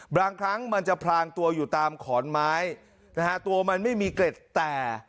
บางครั้งมันจะพลางตัวอยู่ตามขอนไม้นะฮะตัวมันไม่มีเกร็ดแต่